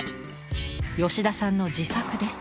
吉田さんの自作です。